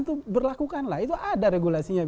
itu berlakukan lah itu ada regulasinya